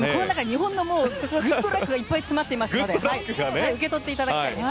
日本のグッドラックがいっぱい詰まっていますから受け取っていただきたいです。